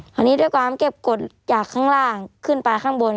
คราวนี้ด้วยความเก็บกฎจากข้างล่างขึ้นไปข้างบน